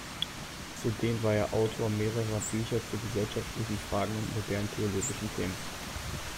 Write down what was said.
Zudem war er Autor mehrerer Bücher zu gesellschaftlichen Fragen und modernen theologischen Themen.